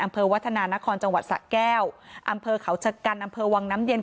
อำเภอวัฒนานครจังหวัดสะแก้วอำเภอเขาชะกันอำเภอวังน้ำเย็น